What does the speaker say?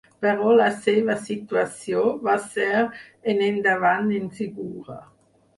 Però la seva situació va ser en endavant insegura.